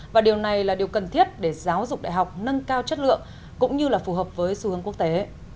và điều này là điều cần thiết để giáo dục đại học nâng cao chất lượng cũng như là phù hợp với xu hướng quốc tế